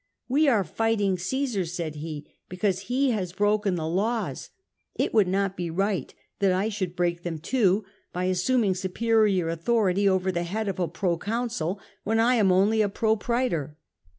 ''We are fighting Omsar/' said he, " because he has broken the laws ; it would not be right that I should break them too, by assuming superior authority over the head of a proconsul, when I am only a propraetor."